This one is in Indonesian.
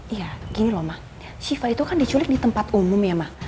iya gini loh mak shiva itu kan diculik di tempat umum ya mak